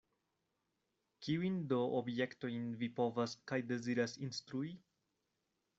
Kiujn do objektojn vi povas kaj deziras instrui?